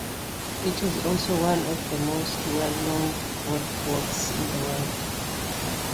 It is also one of the most well-known boardwalks in the world.